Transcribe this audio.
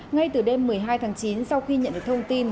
ngay từ đêm một mươi hai tháng chín sau khi nhận được thông tin